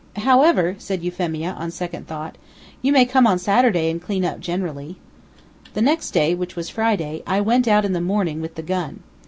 "However," said Euphemia, on second thoughts, "you may come on Saturday and clean up generally." The next day, which was Friday, I went out in the morning with the gun.